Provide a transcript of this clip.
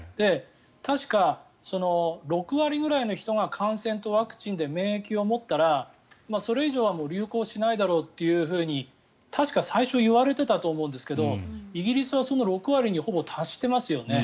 確か６割ぐらいの人が感染とワクチンで免疫を持ったらそれ以上は流行しないだろうと確か、最初は言われていたと思うんですがイギリスはその６割にほぼ達していますよね。